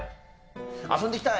遊んでいきたい！